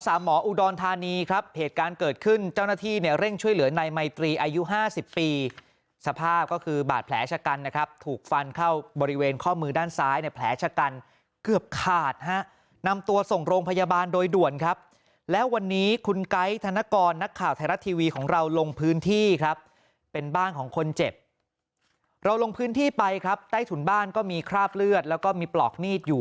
สามหมออุดรธานีครับเหตุการณ์เกิดขึ้นเจ้าหน้าที่เนี่ยเร่งช่วยเหลือในไมตรีอายุ๕๐ปีสภาพก็คือบาดแผลชะกันนะครับถูกฟันเข้าบริเวณข้อมือด้านซ้ายในแผลชะกันเกือบขาดฮะนำตัวส่งโรงพยาบาลโดยด่วนครับแล้ววันนี้คุณไกรทนกรนักข่าวไทยรัฐทีวีของเราลงพื้นที่ครับเป็นบ้านข